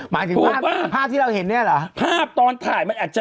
หมายถึงภาพภาพที่เราเห็นเนี่ยเหรอภาพตอนถ่ายมันอาจจะ